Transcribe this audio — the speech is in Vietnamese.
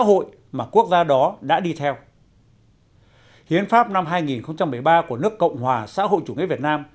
hội mà quốc gia đó đã đi theo hiến pháp năm hai nghìn một mươi ba của nước cộng hòa xã hội chủ nghĩa việt nam